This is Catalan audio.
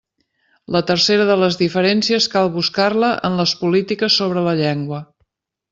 La tercera de les diferències cal buscar-la en les polítiques sobre la llengua.